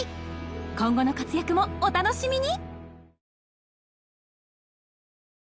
今後の活躍もお楽しみに！